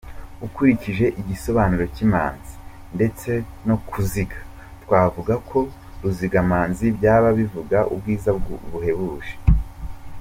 Ukurikije igisobanuro cy’imanzi ndetse no kuziga, twavuga ko Ruzigamanzi byaba bivuga ubwiza buhebuje.